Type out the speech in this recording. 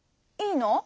いいの？